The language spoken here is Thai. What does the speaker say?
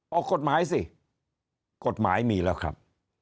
ออกกฎหมายสิกฎหมายมีแล้วครับ